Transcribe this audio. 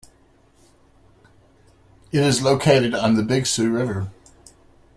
It is located on the Big Sioux River.